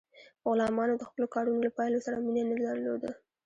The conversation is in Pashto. غلامانو د خپلو کارونو له پایلو سره مینه نه درلوده.